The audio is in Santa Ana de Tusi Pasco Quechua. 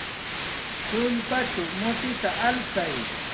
Tullpachaw mutita alsay.